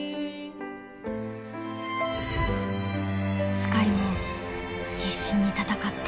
スカイも必死に戦った。